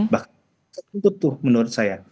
bahkan tertutup tuh menurut saya